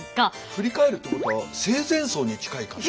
振り返るっていうことは生前葬に近い感じ？